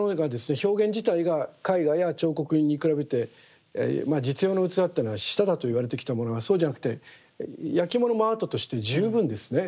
表現自体が絵画や彫刻に比べて実用の器っていうのは下だといわれてきたものがそうじゃなくてやきものもアートとして十分ですね